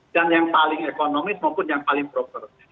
dan yang paling ekonomis maupun yang paling proper